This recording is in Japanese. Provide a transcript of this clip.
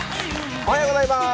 おはようございます。